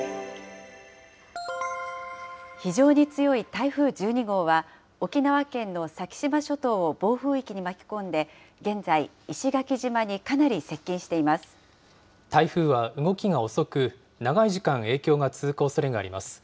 非常に強い台風１２号は、沖縄県の先島諸島を暴風域に巻き込んで、現在、台風は動きが遅く、長い時間影響が続くおそれがあります。